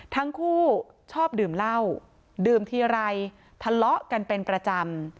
ทั้งคู่ชอบดื่มเหล้าดื่มทีไรทะเลาะกันเป็นประจำ